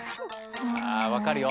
あ分かるよ。